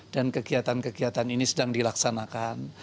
dan kegiatan kegiatan ini sedang dilaksanakan